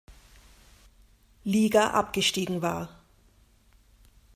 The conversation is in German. Liga abgestiegen war.